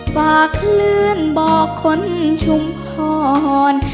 ฝากเคลื่อนบอกคนชุมพร